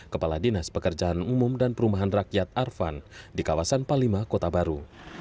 kepala dinas pekerjaan umum dan perumahan rakyat arvan di kawasan palima kota baru